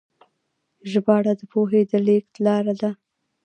ژباړه د پوهې د لیږد لاره ده.